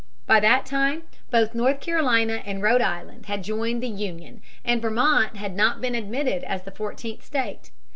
By that time both North Carolina and Rhode Island had joined the Union, and Vermont had been admitted as the fourteenth state.